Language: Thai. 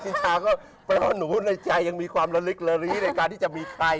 ชาก็แปลว่าหนูในใจยังมีความระลึกละลีในการที่จะมีใคร